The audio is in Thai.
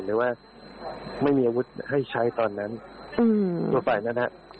หรือว่าไม่มีอาวุธให้ใช้ตอนนั้นทั่วไปนั้น